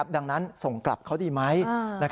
ดังนั้นส่งกลับเขาดีไหม